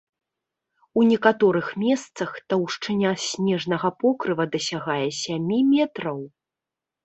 У некаторых месцах таўшчыня снежнага покрыва дасягае сямі метраў!